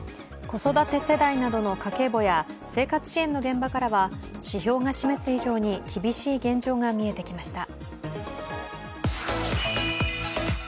子育て世代などの家計簿や生活支援の現場からは指標が示す以上に、厳しい現状が見えてきました。